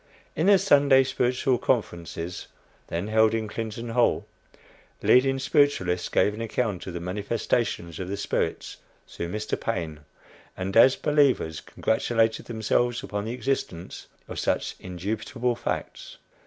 In the Sunday Spiritual Conferences, then held in Clinton Hall, leading spiritualists gave an account of the "manifestations of the spirits" through Mr. Paine, and, as believers, congratulated themselves upon the existence of such "indubitable facts."